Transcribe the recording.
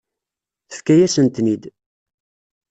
Tefka-yasen-ten-id.